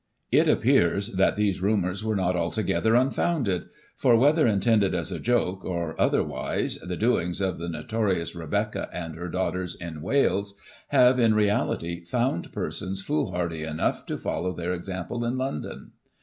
* It appears that these rumours were not altogether unfounded ; for, whether intended as a joke, or otherwise, the doings of the notorious Rebecca and her daughters in Wales, have, in reality, found persons foolhardy enough to follow their example in London.